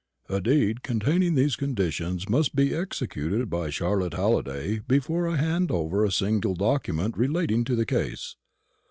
A deed containing these conditions must be executed by Charlotte Halliday before I hand over a single document relating to the case.